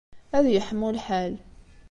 Ad yeḥmu lḥal.